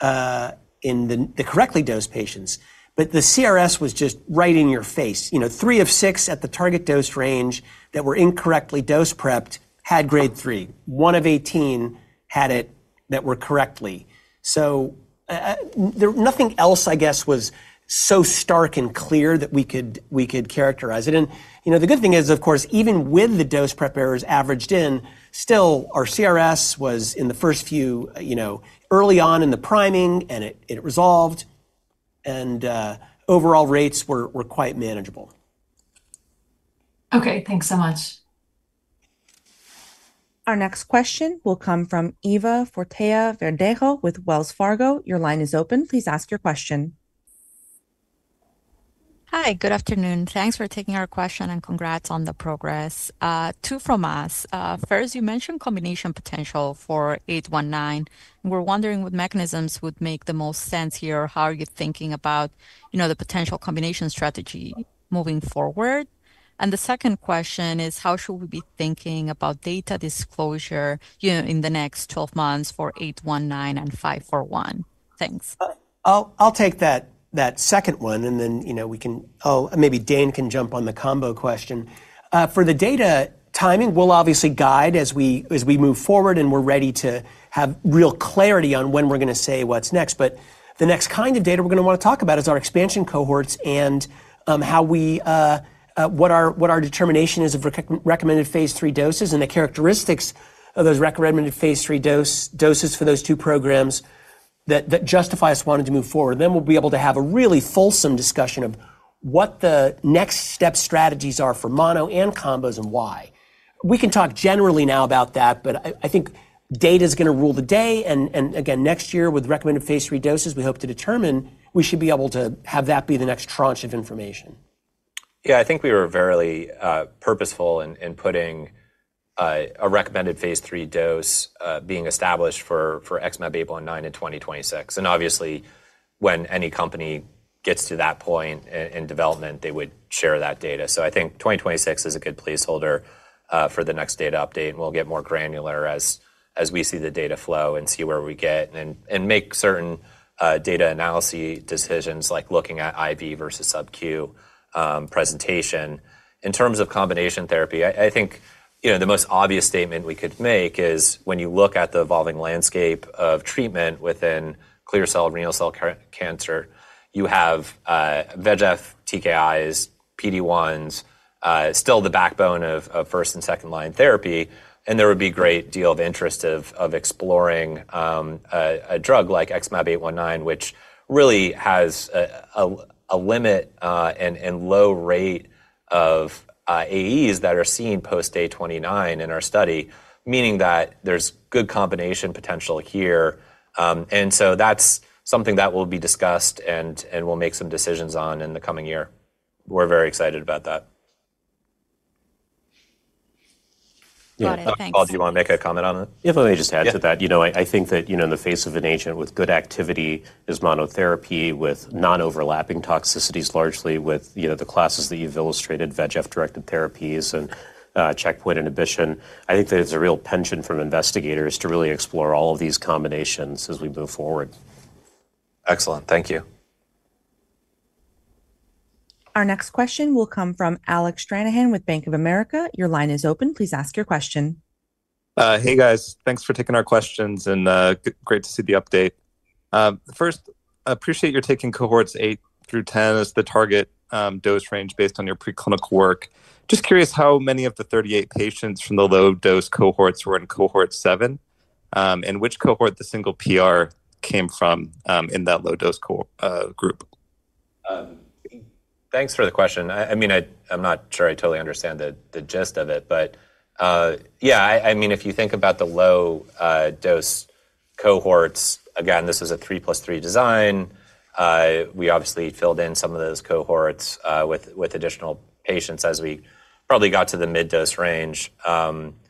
the correctly dosed patients, but the CRS was just right in your face. Three of six at the target dose range that were incorrectly dose prepped had grade 3. One of 18 had it that were correctly. Nothing else, I guess, was so stark and clear that we could characterize it. The good thing is, of course, even with the dose prep errors averaged in, still our CRS was in the first few, early on in the priming, and it resolved, and overall rates were quite manageable. Okay, thanks so much. Our next question will come from Eva Fortea-Verdejo with Wells Fargo. Your line is open. Please ask your question. Hi, good afternoon. Thanks for taking our question and congrats on the progress. Two from us. First, you mentioned combination potential for 819. We're wondering what mechanisms would make the most sense here. How are you thinking about, you know, the potential combination strategy moving forward? The second question is, how should we be thinking about data disclosure, you know, in the next 12 months for 819 and 541? Thanks. I'll take that second one, and then maybe Dane can jump on the combo question. For the data timing, we'll obviously guide as we move forward, and we're ready to have real clarity on when we're going to say what's next. The next kind of data we're going to want to talk about is our expansion cohorts and what our determination is of recommended phase III doses and the characteristics of those recommended phase III doses for those two programs that justify us wanting to move forward. We'll be able to have a really fulsome discussion of what the next step strategies are for mono and combos and why. We can talk generally now about that, but I think data is going to rule the day, and again, next year with recommended phase III doses, we hope to determine we should be able to have that be the next tranche of information. Yeah, I think we were very purposeful in putting a recommended phase III dose being established for XmAb819 in 2026. Obviously, when any company gets to that point in development, they would share that data. I think 2026 is a good placeholder for the next data update, and we'll get more granular as we see the data flow and see where we get and make certain data analysis decisions like looking at intravenous versus subcutaneous presentation. In terms of combination therapy, I think the most obvious statement we could make is when you look at the evolving landscape of treatment within clear cell renal cell carcinoma, you have VEGF-TKIs, PD-1 inhibitors, still the backbone of first and second line therapy, and there would be a great deal of interest in exploring a drug like XmAb819, which really has a limited and low rate of AEs that are seen post day 29 in our study, meaning that there's good combination potential here. That's something that will be discussed and we'll make some decisions on in the coming year. We're very excited about that. Got it. Thanks. Pal, do you want to make a comment on that? Yeah, if I may just add to that, I think that, you know, in the face of an agent with good activity as monotherapy with non-overlapping toxicities largely with the classes that you've illustrated, VEGF-directed therapies and checkpoint inhibition, I think that it's a real penchant from investigators to really explore all of these combinations as we move forward. Excellent. Thank you. Our next question will come from Alec Stranahan with Bank of America. Your line is open. Please ask your question. Hey guys, thanks for taking our questions and great to see the update. First, I appreciate your taking cohorts 8 through 10 as the target dose range based on your preclinical work. Just curious how many of the 38 patients from the low dose cohorts were in cohort 7, and which cohort the single PR came from in that low dose group. Thanks for the question. I'm not sure I totally understand the gist of it, but yeah, if you think about the low dose cohorts, again, this is a 3 + 3 design. We obviously filled in some of those cohorts with additional patients as we probably got to the mid-dose range. I'm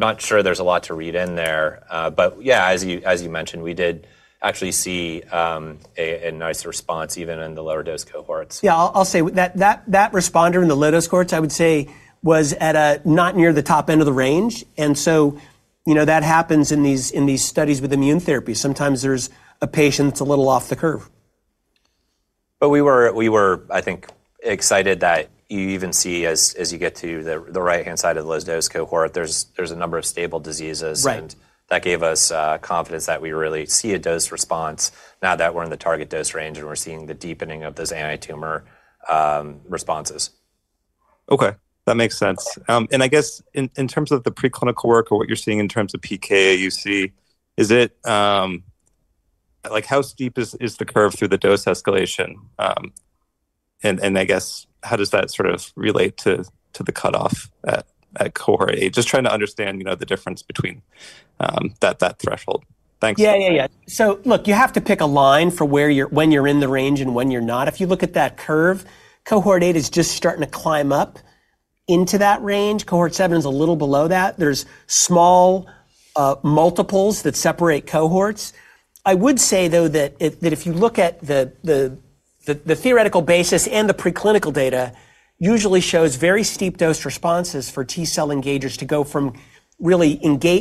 not sure there's a lot to read in there, but yeah, as you mentioned, we did actually see a nice response even in the lower dose cohorts. I'll say that that responder in the low dose cohorts was at a not near the top end of the range, and that happens in these studies with immune therapy. Sometimes there's a patient that's a little off the curve. I think we were excited that you even see as you get to the right-hand side of the low dose cohort, there's a number of stable diseases, and that gave us confidence that we really see a dose response now that we're in the target dose range and we're seeing the deepening of those anti-tumor responses. Okay, that makes sense. I guess in terms of the preclinical work or what you're seeing in terms of PK, is it, like, how steep is the curve through the dose-escalation? I guess, how does that sort of relate to the cutoff at cohort 8? Just trying to understand the difference between that threshold. Thanks. You have to pick a line for when you're in the range and when you're not. If you look at that curve, cohort 8 is just starting to climb up into that range. Cohort 7 is a little below that. There are small multiples that separate cohorts. I would say, though, that if you look at the theoretical basis and the preclinical data, it usually shows very steep dose responses for T-cell engagers to go from really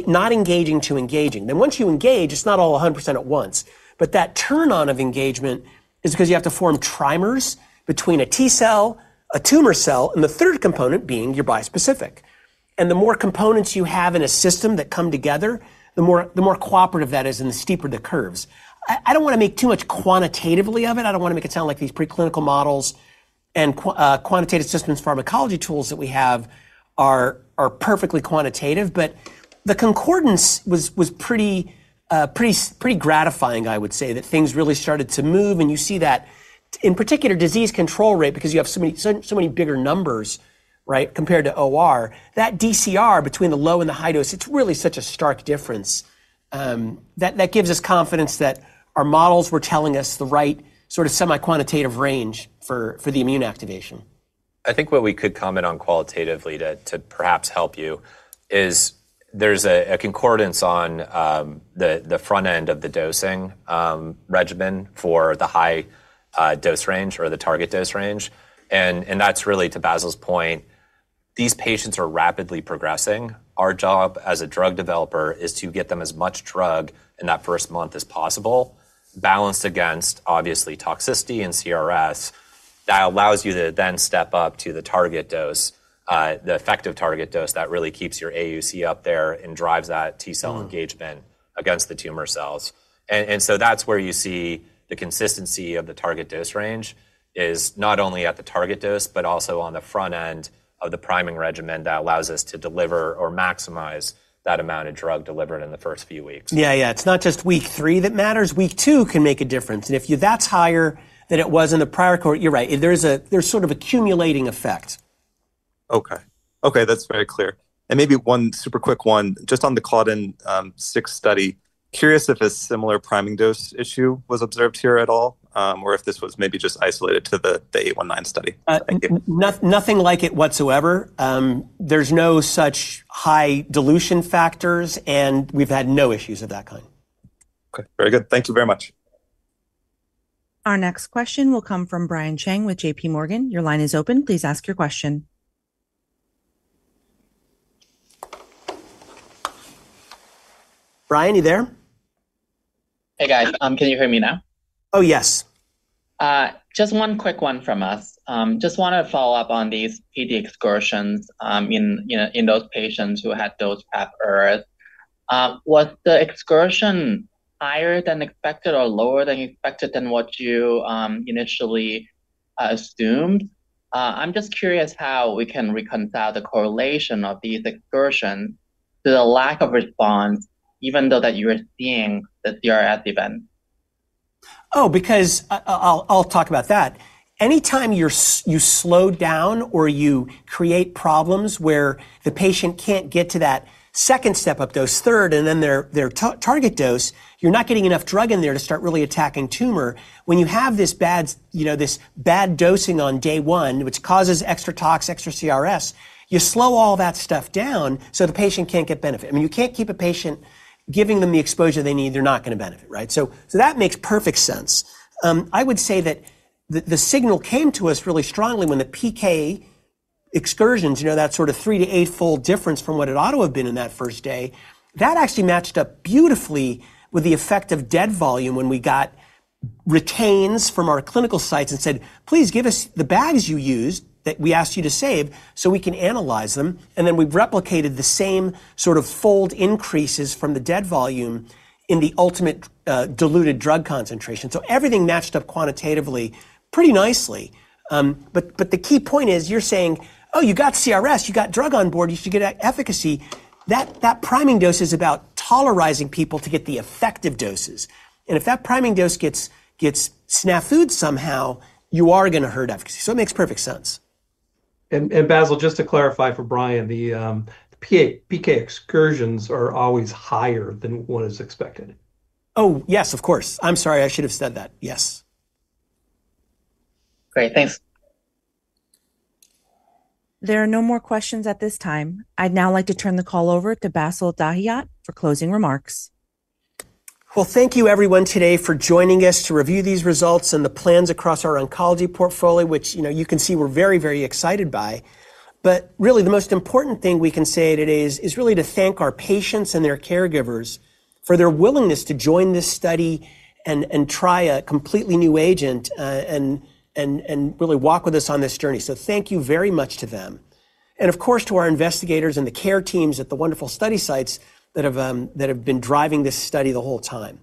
not engaging to engaging. Once you engage, it's not all 100% at once, but that turn on of engagement is because you have to form trimers between a T-cell, a tumor cell, and the third component being your bispecific. The more components you have in a system that come together, the more cooperative that is and the steeper the curves. I don't want to make too much quantitatively of it. I don't want to make it sound like these preclinical models and quantitative systems pharmacology tools that we have are perfectly quantitative, but the concordance was pretty gratifying, I would say, that things really started to move, and you see that in particular disease control rate because you have so many bigger numbers, right, compared to OR. That DCR between the low and the high dose, it's really such a stark difference. That gives us confidence that our models were telling us the right sort of semi-quantitative range for the immune activation. I think what we could comment on qualitatively to perhaps help you is there's a concordance on the front end of the dosing regimen for the high dose range or the target dose range, and that's really, to Bassil's point, these patients are rapidly progressing. Our job as a drug developer is to get them as much drug in that first month as possible, balanced against obviously toxicity and CRS that allows you to then step up to the target dose, the effective target dose that really keeps your AUC up there and drives that T-cell engagement against the tumor cells. That's where you see the consistency of the target dose range is not only at the target dose, but also on the front end of the priming regimen that allows us to deliver or maximize that amount of drug delivered in the first few weeks. Yeah, it's not just week three that matters. Week two can make a difference, and if that's higher than it was in the prior cohort, you're right. There's sort of a cumulating effect. Okay, that's very clear. Maybe one super quick one, just on the Claudin-6 study. Curious if a similar priming dose issue was observed here at all, or if this was maybe just isolated to the 819 study. Nothing like it whatsoever. There's no such high dilution factors, and we've had no issues of that kind. Okay, very good. Thank you very much. Our next question will come from Brian Cheng with JPMorgan. Your line is open. Please ask your question. Brian, are you there? Hey guys, can you hear me now? Oh, yes. Just one quick one from us. Just want to follow up on these PD excursions in those patients who had dose prep errors. Was the excursion higher than expected or lower than expected than what you initially assumed? I'm just curious how we can reconcile the correlation of these excursions to the lack of response, even though you were seeing the CRS event. Oh, because I'll talk about that. Anytime you slow down or you create problems where the patient can't get to that second step-up dose, third, and then their target dose, you're not getting enough drug in there to start really attacking tumor. When you have this bad, you know, this bad dosing on day one, which causes extra tox, extra CRS, you slow all that stuff down so the patient can't get benefit. I mean, you can't keep a patient giving them the exposure they need; they're not going to benefit, right? That makes perfect sense. I would say that the signal came to us really strongly when the PK excursions, you know, that sort of three to eight-fold difference from what it ought to have been in that first day, that actually matched up beautifully with the effect of dead volume when we got retains from our clinical sites and said, please give us the bags you used that we asked you to save so we can analyze them, and then we replicated the same sort of fold increases from the dead volume in the ultimate diluted drug concentration. Everything matched up quantitatively pretty nicely. The key point is you're saying, oh, you got CRS, you got drug on board, you should get efficacy. That priming dose is about tolerizing people to get the effective doses, and if that priming dose gets snafud somehow, you are going to hurt efficacy. It makes perfect sense. Bassil, just to clarify for Brian, the PK excursions are always higher than what is expected. Yes, of course. I'm sorry, I should have said that. Yes. Great, thanks. There are no more questions at this time. I'd now like to turn the call over to Bassil Dahiyat for closing remarks. Thank you everyone today for joining us to review these results and the plans across our oncology portfolio, which, you know, you can see we're very, very excited by. The most important thing we can say today is really to thank our patients and their caregivers for their willingness to join this study and try a completely new agent and really walk with us on this journey. Thank you very much to them. Of course, to our investigators and the care teams at the wonderful study sites that have been driving this study the whole time.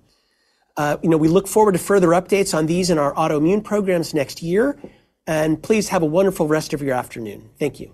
We look forward to further updates on these and our autoimmune programs next year, and please have a wonderful rest of your afternoon. Thank you.